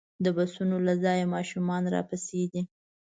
د بسونو له ځایه ماشومان راپسې دي.